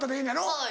はい。